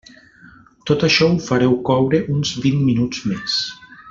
Tot això ho fareu coure uns vint minuts més.